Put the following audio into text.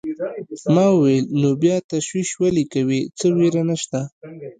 ما وویل: نو بیا تشویش ولې کوې، څه وېره نشته.